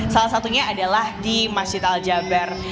salah satunya adalah di masjid al jabar